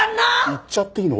言っちゃっていいの？